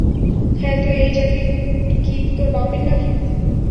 হ্যাঁ তুই, এই জ্যাকেট কি তোর বাপের নাকি?